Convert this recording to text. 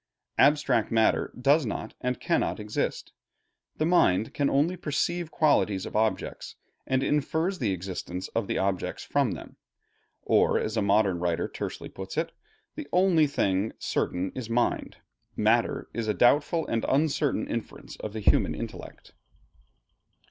Abstract matter does not and cannot exist. The mind can only perceive qualities of objects, and infers the existence of the objects from them; or as a modern writer tersely puts it, "The only thing certain is mind. Matter is a doubtful and uncertain inference of the human intellect."